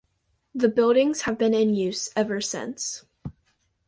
The buildings have been in use ever since.